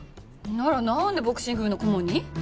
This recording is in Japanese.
ならなんでボクシング部の顧問に？